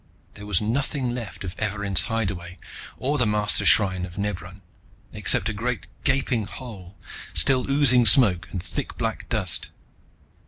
There was nothing left of Evarin's hideaway or the Mastershrine of Nebran except a great, gaping hole, still oozing smoke and thick black dust.